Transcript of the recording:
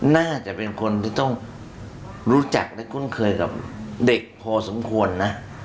น่าจะเป็นคนที่ต้องรู้จักและคุ้นเคยกับเด็กพอสมควรนะ